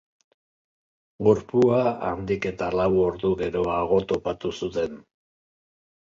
Gorpua handik eta lau ordu geroago topatu zuten.